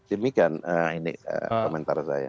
ini komentar saya